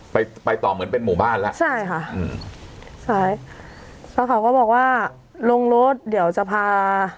ไปไปต่อเหมือนเป็นหมู่บ้านแล้วใช่ค่ะอืมใช่แล้วเขาก็บอกว่าลงรถเดี๋ยวจะพา